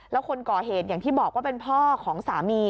แล้วคนก่อเหตุอย่างที่บอกว่าเป็นพ่อของสามี